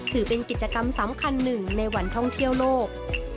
ถือเป็นกิจกรรมสำคัญหนึ่งในวันท่องเที่ยวโลก